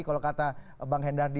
kalau kata bang hendardi